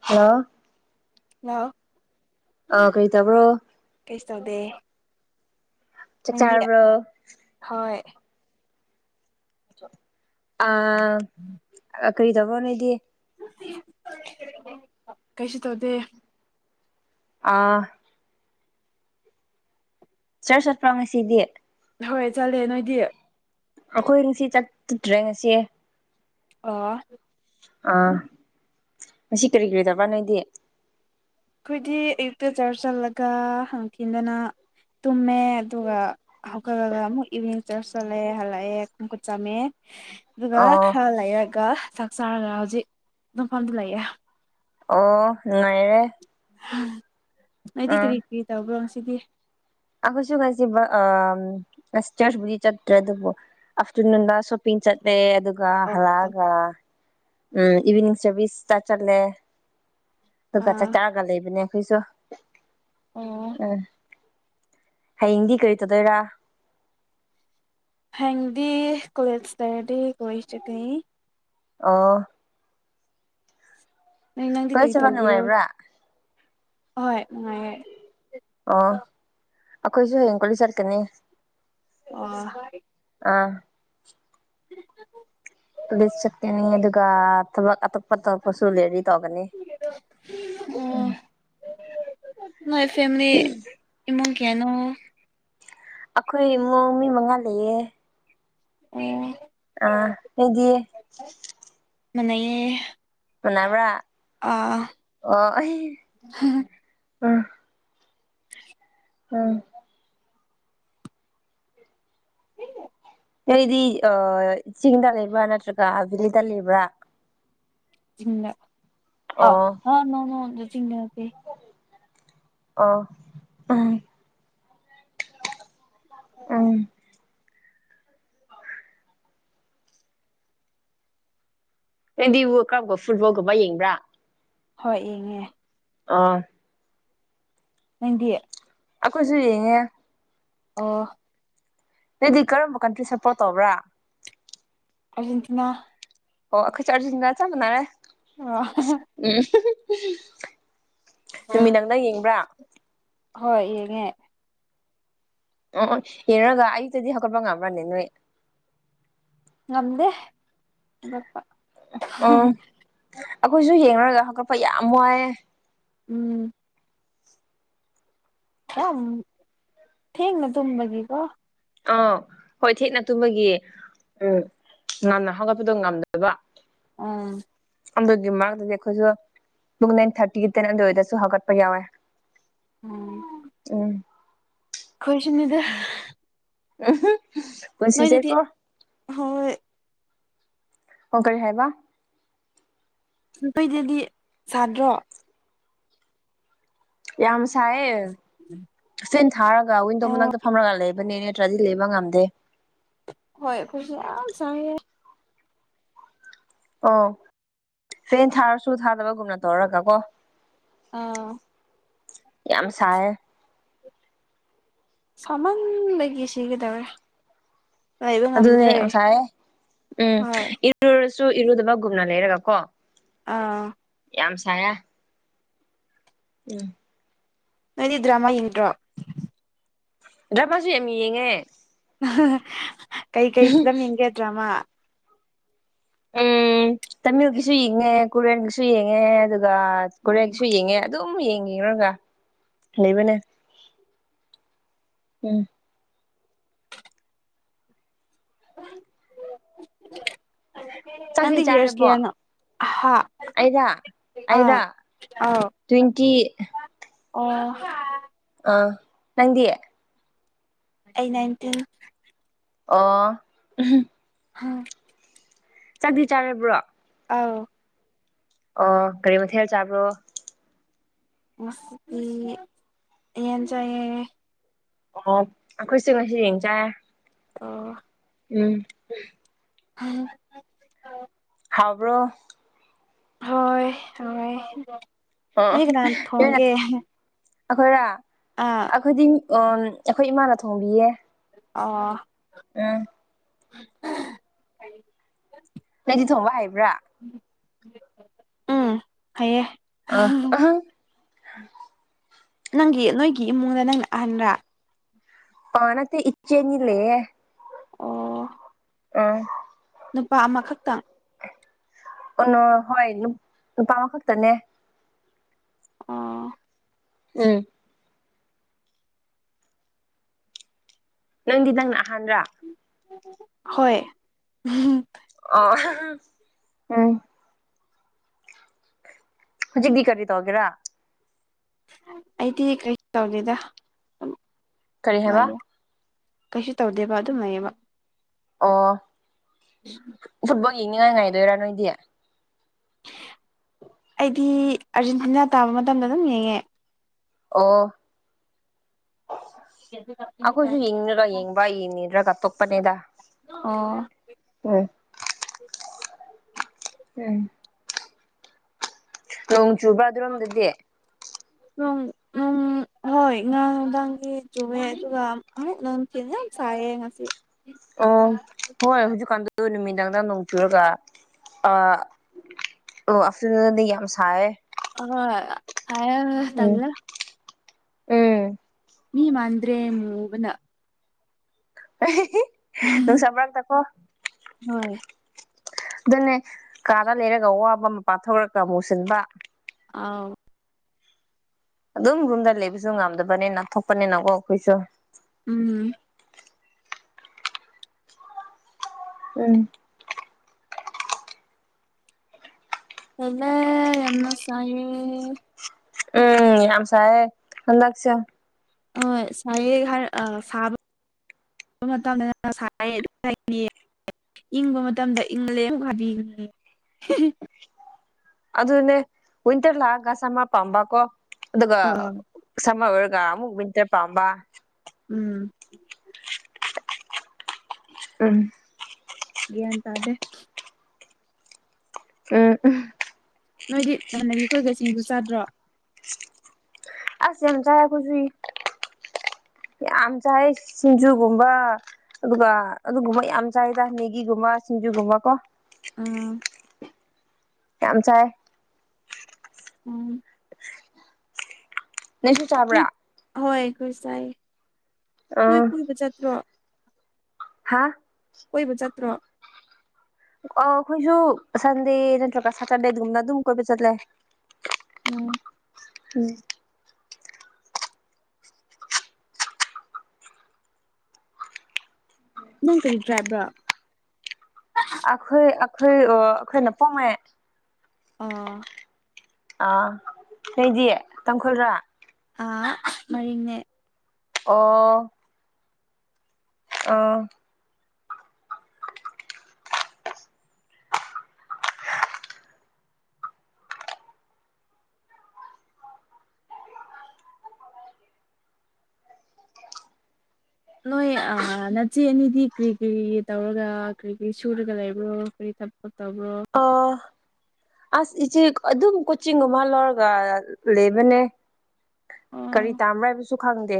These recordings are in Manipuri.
ꯍꯜꯂꯣ꯫ ꯍꯜꯂꯣ꯫ ꯑ ꯀꯩ ꯇꯥꯕ꯭ꯔꯣ꯫ ꯀꯩꯁꯨ ꯇꯧꯗꯦ꯫ ꯆꯥꯛ ꯅꯪꯗꯤ ꯆꯥꯔꯕ꯭ꯔꯣ ꯍꯣꯏ꯫ ꯑ ꯀꯔꯤ ꯇꯧꯕ ꯅꯣꯏꯗꯤ꯫ ꯀꯩꯁꯨ ꯇꯧꯗꯦ꯫ ꯑꯥ꯫ ꯆꯥꯔꯁ ꯆꯠꯄ꯭ꯔꯥꯎ ꯉꯁꯤꯗꯤ ꯍꯣꯏ ꯆꯠꯂꯦ ꯅꯣꯏꯗꯤ꯫ ꯑꯩꯈꯣꯏꯁꯤ ꯆꯠꯇꯗ꯭ꯔꯦ ꯉꯁꯤ ꯑꯣ ꯑꯥ ꯉꯁꯤ ꯀꯔꯤ ꯀꯔꯤꯗꯕꯥ ꯅꯣꯏꯗꯤ ꯑꯩꯈꯣꯏꯗꯤ ꯑꯌꯨꯛꯇ ꯆꯔ ꯆꯠꯂꯒ ꯍꯥꯡꯈꯤꯗꯅ ꯇꯨꯝꯃꯦ ꯑꯗꯨꯒ ꯍꯧꯀꯠꯂꯒ ꯑꯃꯨꯛ ꯏꯚꯅꯤꯡ ꯆꯔꯆ ꯆꯠꯂꯛꯑꯦ ꯍꯜꯂꯛꯑꯦ ꯈꯣꯡꯀꯨꯠ ꯆꯝꯃꯦ ꯑꯗꯨꯒ ꯑꯣ ꯈꯔ ꯂꯩꯔꯒ ꯆꯥꯛ ꯆꯥꯔꯒ ꯍꯧꯖꯤꯛ ꯑꯗꯨꯐꯝꯗꯨ ꯂꯩꯌꯦ ꯑꯣ ꯉꯅꯨꯡꯉꯥꯏꯔꯦ ꯑꯩꯗꯤ ꯀꯔꯤ ꯀꯔꯤ ꯇꯧꯕ꯭ꯔꯣ ꯁꯤꯗꯤ ꯑꯩꯈꯣꯏꯁꯨ ꯀꯥꯏꯁꯤꯦ ꯑꯕꯨꯗꯤ ꯆꯠꯇ꯭ꯔꯦ ꯑꯗꯨꯕꯨ ꯑꯐꯇꯔꯅꯨꯟꯗ ꯁꯣꯞ ꯏꯤꯟ ꯆꯠꯇꯦ ꯑꯗꯨ ꯑꯣ ꯑꯣ ꯍꯂꯒ ꯎꯝ ꯏꯚꯅꯤꯡ ꯆꯕꯤꯁ ꯇ ꯆꯂꯦ ꯑꯗꯨꯒ ꯆꯥꯛ ꯑꯥ ꯆꯥꯛꯑꯒ ꯂꯩꯕꯅꯦ ꯑꯩꯈꯣꯏꯁꯨ ꯑꯣ ꯎꯝ ꯍꯌꯦꯡꯗꯤ ꯀꯔꯤ ꯇꯧꯗꯣꯏꯔꯥ ꯍꯪꯗꯤ ꯀꯣꯂꯁꯇꯔꯗꯤ ꯀꯣꯏꯁ ꯆꯀꯅꯤ ꯑꯥ ꯅꯪ ꯅꯪꯗꯤ ꯀꯣꯂꯦꯖ ꯀꯔꯤ ꯆꯠꯄ ꯇꯧꯕꯤꯔꯣ ꯅꯨꯡꯉꯥꯏꯕ꯭ꯔꯥ ꯑꯍꯣꯏ ꯅꯨꯡꯉꯥꯏꯔꯦ ꯑꯣ ꯑꯩꯈꯣꯏꯁꯨ ꯍꯌꯦꯡ ꯀꯣꯂꯤ ꯆꯠꯛꯀꯅꯤ ꯑꯣ ꯑꯥ [inaudible] ꯄꯨꯂꯤꯁ ꯆꯛꯇꯦꯅꯤ ꯑꯗꯨꯒ ꯊ ꯐꯠꯇꯣ ꯐꯠꯁꯨ ꯂꯩꯔꯤ ꯇꯧꯒꯅꯤ ꯎꯝ ꯅꯣꯏ ꯐꯦꯃꯤꯂꯤ ꯏꯃꯨꯡ ꯀꯌꯥꯅꯣ ꯑꯩꯈꯣꯏ ꯏꯃꯨꯡ ꯃꯤ ꯃꯉꯥ ꯂꯩꯌꯦ ꯑꯣ ꯑ ꯍꯗꯤ ꯃ ꯃꯕ ꯑꯥ ꯑꯣ ꯑꯩ ꯑ ꯎꯝ ꯊ ꯅꯗꯤ ꯑ ꯆꯤꯡꯗ ꯂꯩꯕ꯭ꯔꯥ ꯅꯠꯇ꯭ꯔꯒ ꯕꯦꯂꯤꯗ ꯂꯩꯕ꯭ꯔꯥ ꯆꯤꯡ ꯑ ꯑ ꯅꯅ ꯆꯤꯡ ꯑ ꯎ ꯎꯝ ꯀꯦꯟꯗꯤ ꯕꯨ ꯀꯔꯒꯨꯝꯕ ꯐꯨꯠꯕꯣꯜꯒꯨꯝꯕ ꯌꯦꯡꯕ꯭ꯔꯥ ꯍꯣꯏ ꯏꯉꯦ ꯑꯥ ꯅꯗꯤꯌꯦ ꯑꯩꯈꯣꯏꯁꯨ ꯌꯦꯡꯉꯦ ꯑꯣ ꯅꯗꯤ ꯀꯔꯝꯕ ꯀꯟꯇ꯭ꯔꯤ ꯁꯞꯄꯣꯔꯠ ꯇꯧꯕ꯭ꯔꯥ ꯑꯔꯖꯦꯟꯇꯤꯅꯥ ꯑꯣ ꯑꯈ ꯆ ꯑꯔꯖꯟ ꯌꯥ ꯆ ꯃꯅꯔꯦ ꯑ ꯎꯝ ꯅꯨꯃꯤꯠ ꯅꯪꯅ ꯌꯦꯡꯕ꯭ꯔꯥ ꯍꯣꯏ ꯌꯦꯡꯉꯦ ꯑꯣ ꯌꯦꯡꯔꯒ ꯑꯌꯨꯛꯇꯗꯤ ꯍꯧꯒꯠꯄ ꯉꯝꯕ꯭ꯔ ꯅꯅꯦ ꯅꯣꯏ ꯉꯝꯗꯦꯝꯕꯄ ꯎꯝ ꯑꯩꯈꯣꯏꯁꯨ ꯌꯦꯡꯅꯔꯒ ꯍꯧꯒꯠꯄ ꯌꯥꯝ ꯋꯥꯏꯑꯦ ꯎꯝ ꯌꯥꯝ ꯊꯦꯡꯡꯅ ꯇꯨꯃꯒꯤ ꯀꯣ ꯑꯥꯎ ꯍꯣꯏ ꯊꯦꯛꯠꯅ ꯇꯨꯝꯕꯒꯤ ꯎꯝ ꯉꯝꯅ ꯍꯧꯒꯠꯄꯗꯣ ꯉꯝꯗꯕ ꯎꯝ ꯑꯗꯨꯒꯤ ꯃꯛꯇꯗꯤ ꯑꯩꯈꯣꯏꯁꯨ ꯄꯨꯡ ꯏ ꯊꯥꯔꯇꯤꯒꯤ ꯇꯦꯟ ꯑꯗꯨ ꯑꯣꯏꯗꯁꯨ ꯍꯧꯒꯠꯄ ꯌꯥꯎꯋꯦ ꯎꯝ ꯎꯝ ꯈꯣꯏꯁꯨꯅꯤꯗ [unintelligible] ꯅꯣꯏꯗꯗꯤ ꯍꯣꯏ ꯑꯣ ꯀꯔꯤ ꯍꯥꯏꯕ ꯅ ꯈꯣꯏꯗꯗꯤ ꯁꯥꯗ꯭ꯔꯣ ꯌꯥꯝ ꯁꯥꯏꯌꯦ ꯐꯦꯟ ꯊꯥꯔꯒ ꯋꯤꯟꯗꯣ ꯑꯣ ꯃꯅꯥꯛꯇ ꯐꯝꯔꯒ ꯂꯩꯕꯅꯦ [unintelligible] ꯂꯩꯕ ꯉꯝꯗꯦ ꯍꯣꯏ ꯑꯩꯈꯣꯏꯁꯨ ꯌꯥꯝ ꯁꯥꯏꯌꯦ ꯑꯣ ꯐꯦꯟ ꯊꯥꯔꯁꯨ ꯊꯥꯗꯕꯒꯨꯝꯅ ꯇꯧꯔꯒ ꯀꯣ ꯑꯝ ꯌꯥꯝ ꯁꯥꯏꯌꯦ ꯁꯥꯃꯟꯗꯒꯤ ꯁꯤꯒꯗꯧꯔꯦ ꯂꯩꯕ ꯑꯗꯨꯅꯦ ꯉꯝꯗ꯭ꯔꯦ ꯌꯥꯝ ꯁꯥꯏꯌꯦ ꯎꯝ ꯍꯣꯏ ꯏꯔꯨꯔꯁꯨ ꯏꯔꯨꯗꯕꯒꯨꯝꯅ ꯂꯩꯔꯒꯀꯣ ꯑꯥ ꯌꯥꯝ ꯁꯥꯏꯌꯦ ꯎꯝ ꯅꯣꯏꯗꯤ ꯗ꯭ꯔꯃꯥ ꯌꯦꯡꯗ꯭ꯔꯣ ꯗ꯭ꯔꯃꯥꯁꯨ ꯌꯥꯝ ꯌꯦꯡꯉꯦ [unintelligible] ꯀꯩꯀꯩ ꯐꯤꯂꯝ ꯌꯦꯡꯒꯦ ꯗ꯭ꯔꯃꯥ ꯎꯝ ꯇꯥꯃꯤꯜꯒꯤꯁꯨ ꯌꯦꯡꯉꯦ ꯀꯣꯔꯤꯌꯥꯟꯒꯤꯁꯨ ꯌꯦꯡꯉꯦ ꯑꯗꯨꯒ ꯀꯣꯔꯤꯌꯥꯟꯒꯤꯁꯨ ꯌꯦꯡꯉꯦ ꯑꯗꯨꯝ ꯌꯦꯡ ꯌꯦꯡꯉꯨꯔꯒ ꯂꯩꯕꯅꯦ ꯎꯝ ꯆꯥꯛꯇꯤ ꯅꯣꯗꯤ ꯌꯔꯁ ꯀꯌꯥꯅꯣ ꯍꯥ ꯑꯩꯔ ꯑꯥ ꯑꯩꯔ ꯑꯥꯎ ꯇ꯭ꯋꯦꯟꯇꯤ ꯑꯣ ꯑ ꯅꯪꯗꯤ ꯑꯩ ꯅꯥꯏꯟꯇꯤꯟ ꯑꯣ ꯍꯥ ꯆꯥꯛꯗꯤ ꯆꯥꯔꯕ꯭ꯔꯣ ꯑꯥꯎ ꯑꯣ ꯀꯔꯤ ꯃꯊꯦꯜ ꯆꯥꯕ꯭ꯔꯣ ꯉꯁꯤꯗꯤ ꯎꯌꯦꯟ ꯆꯥꯏꯌꯦ ꯑꯣ ꯑꯩꯈꯣꯏꯁꯨ ꯉꯁꯤ ꯌꯦꯟ ꯆꯥꯔꯦ ꯑ ꯎꯝ ꯎꯝ ꯍꯥꯎꯕ꯭ꯔꯣ ꯍꯣꯏ ꯍꯥꯎꯌꯦ ꯑꯣ [unintelligible] ꯑꯩꯈꯣꯏꯔꯥ ꯑꯥ ꯑꯩꯈꯣꯏꯗꯤ ꯑꯩꯈꯣꯏ ꯏꯃꯥꯅ ꯊꯣꯡꯕꯤꯌꯦ ꯑ ꯑꯝ [unintelligible] ꯅꯪꯗꯤ ꯊꯣꯡꯕ ꯍꯩꯕ꯭ꯔꯥ ꯎꯝ ꯍꯩꯌꯦ ꯑ [unintelligible] ꯅꯪꯒꯤ ꯅꯣꯏꯒꯤ ꯏꯃꯨꯡꯗ ꯅꯪꯅ ꯑꯍꯟꯔꯥ ꯅꯠꯇꯦ ꯏꯆꯦ ꯑꯅꯤ ꯂꯩꯌꯦ ꯑꯣ ꯎꯝ ꯅꯨꯄꯥ ꯑꯃꯈꯛꯇꯪ ꯍꯣꯏ ꯅꯨꯄꯥ ꯑꯃꯈꯛꯇꯅꯦ ꯑꯣ ꯎꯝ ꯅꯪꯗꯤ ꯅꯪ ꯅꯍꯥꯟꯕ꯭ꯔꯥ ꯍꯣꯏ ꯑꯣ [unintelligible] ꯍꯧꯖꯤꯛꯗꯤ ꯀꯔꯤ ꯇꯒꯦꯔꯥ ꯑꯩꯗꯤ ꯀꯔꯤ ꯇꯧꯗꯦꯗ ꯑꯗꯨ ꯀꯔꯤ ꯍꯥꯏꯕ ꯅꯨꯡꯉꯥꯏꯌꯦ ꯀꯩꯁꯨ ꯇꯧꯗꯦꯕ ꯑꯗꯨꯝ ꯂꯩꯌꯦꯕ ꯑꯣ [unintelligible] ꯐꯨꯠꯕꯣꯜ ꯌꯦꯡꯅꯤꯡꯉꯥꯏ ꯉꯥꯏꯗꯣꯏꯔꯥ ꯅꯣꯏꯗꯤ ꯑꯩꯗꯤ ꯑꯥꯔꯖꯦꯟꯇꯤꯅꯥ ꯇꯥꯕ ꯃꯇꯝꯗ ꯑꯗꯨꯝ ꯌꯦꯡꯉꯦ ꯑꯣ [unintelligible] ꯑꯩꯈꯣꯏꯁꯨ ꯌꯦꯡꯅꯤꯡꯔꯒꯥ ꯌꯦꯡꯕ ꯌꯦꯡꯅꯤꯗꯔꯥꯒ ꯇꯣꯛꯄꯅꯦꯗ ꯑꯣ ꯎꯝ ꯎꯝ ꯅꯣꯡ ꯆꯨꯕ꯭ꯔꯥ ꯑꯗꯨꯔꯣꯝꯗꯗꯤ ꯅꯣꯡ ꯎꯝ ꯍꯣꯏ ꯉꯥꯡ ꯅꯨꯡꯗꯥꯡꯒꯤ ꯆꯨꯝꯑꯦ ꯑꯗꯨꯒ ꯑꯃꯨꯛ ꯅꯨꯡꯊꯤꯜ ꯌꯥꯝ ꯁꯥꯏꯌꯦ ꯉꯁꯤ ꯑꯣ ꯍꯣꯏ ꯍꯧꯖꯤꯛꯀꯥꯟꯗꯨ ꯅꯨꯃꯤꯗꯥꯡꯗ ꯅꯣꯡ ꯆꯨꯔꯒ ꯑ ꯑꯣ ꯑꯥꯐꯇꯔꯅꯨꯟꯗꯤ ꯌꯥꯝ ꯁꯌꯦ ꯎꯝ [unintelligible] ꯎꯝ ꯃꯤꯃꯟꯗ꯭ꯔꯦ ꯃꯨꯕꯅ ꯅꯨꯡꯁ ꯃꯔꯛꯇ ꯀꯣ ꯍꯣꯏ ꯑꯗꯨꯅꯦ ꯀꯥꯗ ꯂꯩꯔꯒ ꯋꯥꯕ [unintelligible] ꯃꯨꯁꯤꯟꯕ ꯑꯧ ꯑꯗꯨꯝ ꯔꯨꯝꯗ ꯂꯩꯕꯁꯨ ꯉꯝꯗꯕꯅꯤꯅ ꯊꯣꯛꯄꯅꯤꯅꯀꯣ ꯑꯩꯈꯣꯏꯁꯨ ꯎꯝ ꯎꯝ [unintelligible] ꯌꯥꯝꯅ ꯁꯥꯏꯌꯦ ꯎꯝ ꯌꯥꯝꯁꯥꯏꯌꯦ ꯍꯟꯗꯥꯛꯁꯦ ꯑꯣ ꯁꯥꯏꯌꯦ ꯍꯥꯏ ꯁꯥꯕ [unintelligible] ꯏꯪꯕ ꯃꯇꯝꯗ ꯏꯪꯂꯦ ꯑꯃꯨꯛ ꯍꯥꯏꯕꯤꯒꯅꯤ ꯑꯗꯨꯅꯦ ꯋꯤꯟꯇꯔ ꯂꯥꯛꯑꯒ ꯁꯃꯔ ꯄꯥꯝꯕꯀꯣ ꯑꯗꯨꯒ ꯑꯥ ꯁꯥꯃꯔ ꯑꯣꯏꯔꯒ ꯑꯃꯛ ꯋꯤꯟꯇꯔ ꯄꯝꯕ ꯎꯝ ꯎꯝ ꯒꯌ꯭ꯥꯟ ꯇꯗꯦ ꯎꯝ [unintelligible] ꯅꯣꯏꯗꯤ ꯅꯃꯟꯅꯕꯤ ꯈꯣꯏꯒ ꯁꯤꯡꯖꯨ ꯆꯥꯗ꯭ꯔꯣ ꯑꯁ ꯌꯥꯝ ꯆꯥꯏ ꯑꯩꯈꯣꯏꯗꯤ ꯌꯥꯝ ꯆꯥꯏ ꯁꯤꯡꯖꯨꯒꯨꯝꯕ ꯑꯗꯨꯒ ꯑꯗꯨꯒꯨꯝꯕ ꯌꯥꯝ ꯆꯥꯏꯗ ꯃꯦꯒꯤꯒꯨꯝꯕ ꯁꯤꯡꯖꯨꯒꯨꯝꯕ ꯀꯣ ꯎꯝ ꯌꯥꯝ ꯆꯥꯏꯌꯦ ꯎꯝ ꯅꯪꯁꯨ ꯍꯣꯏ ꯆꯥꯕ꯭ꯔꯥ ꯍꯣꯏ ꯑꯩꯈꯣꯏ ꯆꯥꯏ ꯑ ꯅꯣꯏ ꯄꯨꯟꯕ ꯆꯠꯇ꯭ꯔꯣ ꯍꯥꯥ ꯀꯣꯏꯕ ꯆꯠꯇ꯭ꯔꯣ ꯑꫭ ꯑꯩꯈꯣꯏꯁꯨ ꯁꯟꯗꯦ ꯅꯠꯇ꯭ꯔꯒ ꯁꯦꯇꯔꯗꯦꯗꯨꯒꯨꯝꯕꯗ ꯑꯗꯨꯝ ꯀꯣꯏꯕ ꯆꯠꯂꯦ ꯎꯝ ꯎꯝ ꯅꯪ ꯀꯔꯤ ꯇ꯭ꯔꯥꯞꯔꯥ ꯑꯩꯈꯣꯏ ꯑꯩꯈꯣꯏ ꯑꯩꯈꯣꯏꯅ ꯄꯣꯃꯦ ꯑꯥ ꯑꯥ ꯅꯪꯗꯤ ꯇꯥꯡꯈꯨꯜꯔꯥ ꯑꯥ ꯃꯔꯤꯟꯅꯦ ꯑꯣ ꯑꫭ ꯅꯣꯏ ꯅꯆꯦ ꯑꯅꯤꯗꯤ ꯀꯔꯤ ꯀꯔꯤ ꯇꯧꯔꯒ ꯀꯔꯤ ꯀꯔꯤ ꯁꯨꯔꯒ ꯂꯩꯕ꯭ꯔꯣ ꯀꯔꯤ ꯊ ꯕꯛ ꯇꯧꯕꯔꫭ ꯑꯥ ꯑꯁ ꯏꯆꯦ ꯑꯗꯨꯝ ꯀꯣꯆꯤꯡꯒꯨꯝꯕ ꯂꯧꯔꯒ ꯂꯩꯕꯅꯦ ꯑꯣ ꯀꯔꯤ ꯇꯥꯟꯕ꯭ꯔ ꯍꯥꯏꯕꯁꯨ ꯈꯪꯗꯦ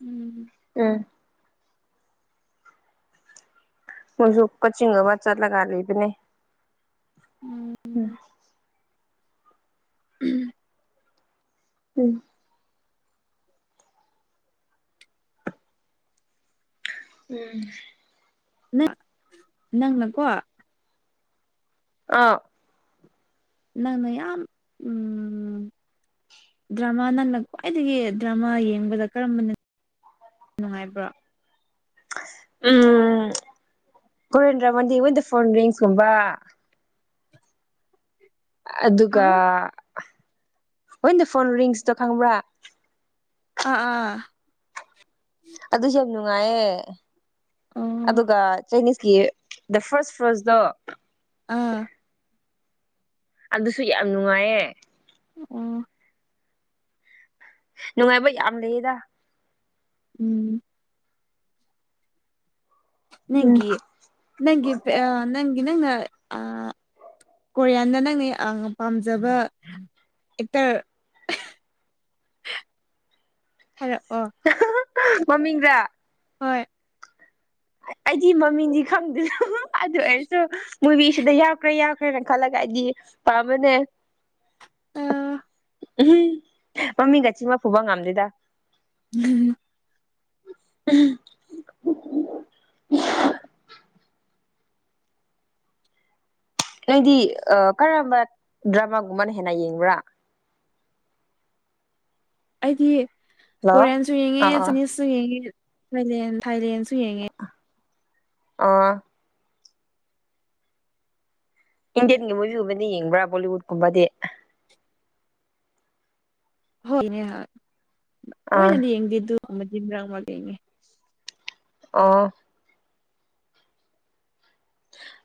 ꯎꯝ ꯎꯝ ꯃꯣꯏꯁꯨ ꯀꫭꯆꯤꯡꯒꯨꯝꯕ ꯆꯠꯂꯒ ꯂꯩꯕꯅꯦ ꯎꯝ ꯎꯝ ꯎꯝ ꯎꯝ ꯅꯪ ꯅꯪꯅꯀꯣ ꯑꯥ ꯅꯪꯅ ꯌꯥꯝ ꯎꯝ ꯗ꯭ꯔꯃꯥ ꯅꯪꯅ ꯈ꯭ꯋꯥꯏꯗꯒꯤ ꯗ꯭ꯔꯃꯥ ꯌꯦꯡꯕꯗ ꯀꯔꯝꯕꯅ ꯅꯨꯡꯉꯥꯏꯕ꯭ꯔꯣ ꯎꯝ ꯀ꯭ꯔꯦꯌꯟ ꯗ꯭ꯔꯃꯥꯗꯤ ꯋꯦꯟ ꯗꯥ ꯐꫭꯟ ꯔꯤꯡꯁ ꯀꯨꯝꯕ ꯑꯗꯨꯒ ꯍꯥꯎ ꯋꯦꯟ ꯗꯥ ꯐꯣꯟ ꯔꯤꯡꯁꯇꯣ ꯈꯪꯕ꯭ꯔꯥ ꯑꯥ ꯑꯥ ꯑꯗꯨꯁꯨ ꯌꯥꯝ ꯅꯨꯡꯉꯥꯏꯌꯦ ꯑꯣ ꯑꯗꯨꯒ ꯆꯥꯏꯅꯤꯁꯀꯤ ꯗ ꯐꯥꯔꯁ ꯐ꯭ꯔꯣꯁ ꯗꯣ ꯑꯥ ꯑꯗꯨꯁꯨ ꯌꯥꯝ ꯅꯨꯡꯉꯥꯏꯌꯦ ꯑꯣ ꯅꯨꯡꯉꯥꯏꯕ ꯌꯥꯝ ꯂꯩꯌꯦꯗ ꯎꯝ ꯎꯝ ꯅꯪꯒꯤ ꯅꯪꯒꯤ ꯑ ꯅꯪꯒꯤ ꯅꯪꯅ ꯑꯥ ꯀꯣꯔꯤꯌꯥꯟꯗ ꯅꯪꯅꯦ ꯄꯥꯝꯖꯕ ꯑꯦꯛꯇꯔ ꯍꯥꯏꯔꯛ ꯑꯣ ꯃꯃꯤꯡꯗ ꯍꯣꯏ ꯑꯩꯗꯤ ꯃꯃꯤꯡꯗꯤ ꯈꯪꯗꯦꯅ ꯑꯗꯨ ꯑꯣꯏꯔꯁꯨ ꯃꯨꯕꯤꯁꯤꯗ ꯌꯥꯎꯈ꯭ꯔꯦ ꯌꯥꯎ ꯈꯔ ꯈꯜꯂꯒ ꯑꯩꯗꯤ ꯄꯥꯝꯕꯅꯦ ꯑꯥ ꯎꯝ ꯃꯃꯤꯡꯒ ꯆꯤꯟꯐꯥ ꯄꯨꯕ ꯉꯝꯗꯦꯗ ꯎꯝ ꯎꯝ ꯎ ꯅꯗꯤ ꯀꯔꯝꯕ ꯗ꯭ꯔꯃꯥꯒꯨꯝꯕꯅ ꯍꯦꯟꯅ ꯌꯦꯡꯕ꯭ꯔꯥ ꯑꯩꯗꯤ ꯍꯜꯂꯣ ꯀꯣꯔꯤꯌꯥꯟꯁꯨ ꯌꯦꯡꯉꯦ ꯑꯥ ꯑꯥ ꯆꯥꯏꯅꯤꯁꯁꯨ ꯌꯦꯡꯉꯦ ꯊꯥꯏꯂꯦꯟ ꯊꯥꯏꯂꯦꯟꯁꯨ ꯌꯦꯡꯉꯦ ꯑ ꯏꯟꯗꯤꯌꯟꯒꯤ ꯃꯨꯚꯒꯨꯝꯕꯅ ꯌꯦꯡꯕ꯭ꯔꯥ ꯕꯣꯂꯤꯋꯨꯠꯀꯨꯝꯕꯗꯤ ꯍꯣꯏ ꯑꯥ ꯅꯦꯍꯇꯣꯏꯅꯗꯤ ꯌꯦꯡꯗꯦ ꯑꯗꯨꯃ ꯃꯔꯛ ꯃꯔꯛ ꯌꯦꯡꯉꯦ ꯑꯥ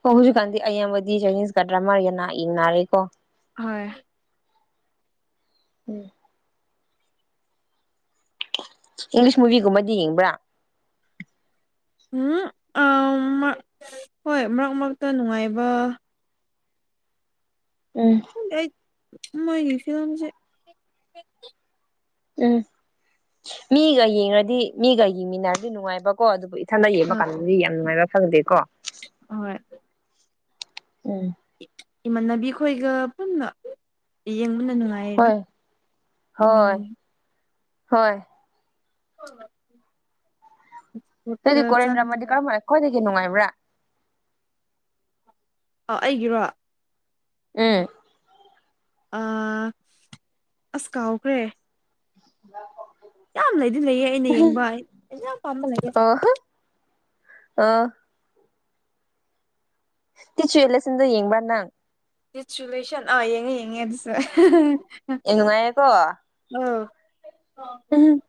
ꯑꯣ ꯍꯧꯖꯤꯛꯀꯥꯟꯗꯤ ꯑꯕꯗꯤ ꯆꯥꯏꯅꯤꯁ ꯀꯗ꯭ꯔꯥ ꯃꯥꯔꯒꯅ ꯏ ꯅꯥꯔꯦꯀꯣ ꯍꯣꯏ ꯎꯝ ꯏꯪꯂꯤꯁ ꯃꯨꯚꯤꯒꯨꯝꯕꯗꯤ ꯌꯦꯡꯕ꯭ꯔꯥ ꯎꯝ ꯍꯣꯏ ꯃꯔꯛ ꯃꯔꯛꯇ ꯅꯨꯡꯉꯥꯏꯕ ꯎꯝ ꯃꯣꯏꯒꯤ ꯐꯤꯂꯝꯁꯦ ꯎꯝ ꯃꯤꯒ ꯌꯦꯡꯉꯗꯤ ꯃꯤꯒ ꯌꯦꯡꯃꯤꯟꯅꯔꯗꯤ ꯅꯨꯡꯉꯥꯏꯕꯀꯣ ꯑꯗꯨꯕꯨ ꯏꯊꯟꯇꯥ ꯌꯦꯡꯕ ꯑ ꯀꯥꯟꯗꯗꯤ ꯌꯥꯝ ꯅꯨꯡꯉꯥꯏꯕ ꯐꯪꯗꯦꯀꯣ ꯍꯣꯏ ꯎꯝ ꯏꯃꯥꯟꯅꯕꯤ ꯈꯣꯏꯒ ꯄꯨꯟꯅ ꯌꯦꯡꯕꯅ ꯅꯨꯡꯉꯥꯏ ꯍꯣꯏ ꯍꯣꯏ ꯍꯣꯏ ꯑꯣ ꯑꯗꯨꯗꯤ ꯀꯣꯔꯦꯟꯗ꯭ꯔꯃꯗꯤ ꯀꯔꯝ ꯍꯥꯏꯅ ꯑꯩꯈꯣꯏꯗꯒꯤ ꯅꯨꯡꯉꯥꯏꯕ꯭ꯔꯥ ꯑꯥꯎ ꯑꯩꯒꯤꯔꯣ ꯎꯝ ꯑꯁ ꯀꯥꯎꯈ꯭ꯔꯦ ꯍ ꯌꯥꯝ ꯂꯩꯗꯤ ꯂꯩꯌꯦ ꯑꯩꯅ ꯌꯦꯡꯕ ꯑꯩꯅ ꯌꯥꯝ ꯄꯥꯝꯕ ꯂꯩꯌꯦ ꯑꯥ ꯇꯁꯨꯨ ꯌꯦꯂꯁꯤꯟꯗꯣ ꯌꯦꯡꯕ ꯅꯪ ꯆꯨꯂꯦꯁꯟ ꯑꯥ ꯌꯦꯡꯉꯦ ꯌꯦꯡꯉꯦ ꯑꯗꯨꯁꯨ ꯑꯦ ꯅꯨꯡꯉꯥꯏꯌꯦꯀꯣ ꯎꯝ ꯎꯝ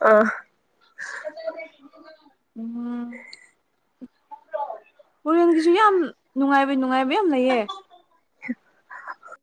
ꯑ ꯎꯝ ꯍꯣꯔꯦꯟꯒꯤꯁꯨ ꯌꯥꯝ ꯅꯨꯡꯉꯥꯏꯕ ꯅꯨꯡꯉꯥꯏꯕ ꯌꯥꯝ ꯂꯩꯌꯦ [unintelligible]